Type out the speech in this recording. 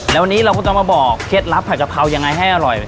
แล้ววันนี้เราก็ต้องมาบอกเคล็ดลับผัดกะเพรายังไงให้อร่อย